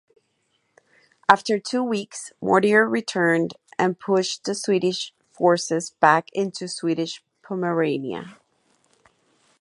After two weeks Mortier returned and pushed the Swedish forces back into Swedish Pomerania.